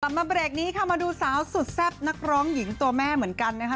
มาเบรกนี้ค่ะมาดูสาวสุดแซ่บนักร้องหญิงตัวแม่เหมือนกันนะคะ